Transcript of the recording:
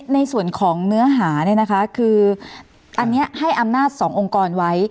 ในส่วนของเนื้อหาเนี่ยนะคะคืออันนี้ให้อำนาจสององค์กรไว้